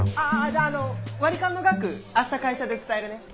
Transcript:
じゃああの割り勘の額明日会社で伝えるね。